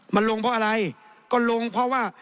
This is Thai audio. มันลงเพราะอะไรก็ลงเพราะว่า